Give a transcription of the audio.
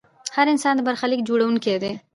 هر انسان د برخلیک جوړونکی دی.